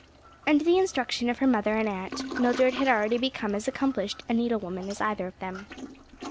Under the instruction of her mother and aunt, Mildred had already become as accomplished a needlewoman as either of them.